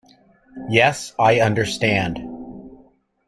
Yes, I understand.